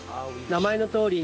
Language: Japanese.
名前のとおり。